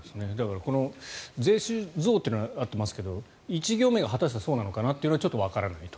この税収増というのは合ってますが１行目が果たして、そうなのかなというのはわからない。